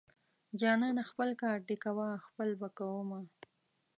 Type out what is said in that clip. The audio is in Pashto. جانانه خپل کار دې کوه خپل به کوومه.